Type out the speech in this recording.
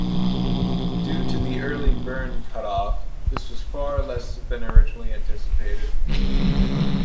Due to the early burn cutoff, this was far less than originally anticipated.